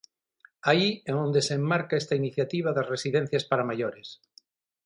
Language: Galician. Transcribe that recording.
Aí é onde se enmarca esta iniciativa das residencias para maiores.